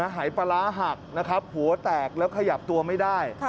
หายปลาร้าหักนะครับหัวแตกแล้วขยับตัวไม่ได้